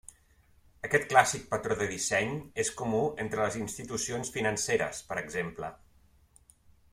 Aquest clàssic patró de disseny és comú entre les institucions financeres per exemple.